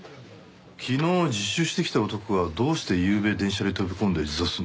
昨日自首してきた男がどうしてゆうべ電車に飛び込んで自殺すんだ？